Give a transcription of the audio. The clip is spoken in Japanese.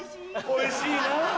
おいしいな！